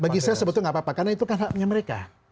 bagi saya sebetulnya nggak apa apa karena itu kan haknya mereka